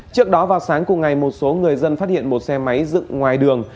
trước đó vào sáng cùng ngày một số người dân phát hiện một xe máy dựng ngoài đường